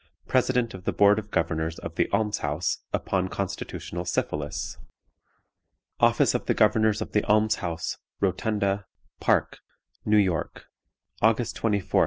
President of the Board of Governors of the Alms house, upon Constitutional Syphilis._ "Office of the Governors of the Alms house, Rotunda, Park, "New York, August 24, 1855.